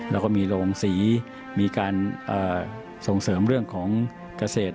แล้วก็มีโรงสีมีการส่งเสริมเรื่องของเกษตร